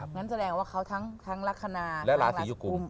งั้นแสดงว่าเขาทั้งลักษณะและรักกุม